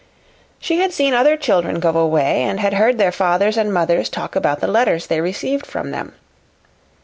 She had seen other children go away, and had heard their fathers and mothers talk about the letters they received from them.